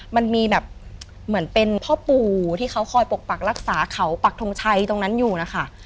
มันมีแบบเหมือนเป็นพ่อปู่ที่เขาคอยปกปักรักษาเขาปักทงชัยตรงนั้นอยู่นะคะ